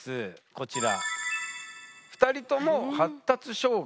こちら。